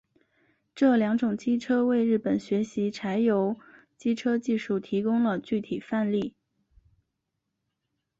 这两种机车为日本学习柴油机车技术提供了具体范例。